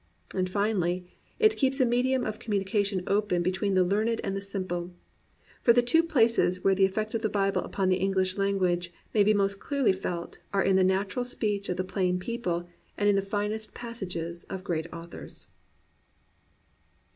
And finally it keeps a medium of communi cation open between the learned and the simple; for the two places where the effect of the Bible upon the English language may be most clearly felt are in the natural speech of the plain people and in the finest passages of great authors.